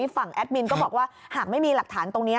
แอดมินก็บอกว่าหากไม่มีหลักฐานตรงนี้